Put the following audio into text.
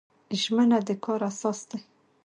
ژمنه د کار اساس دی